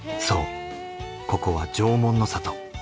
そうここは縄文の里。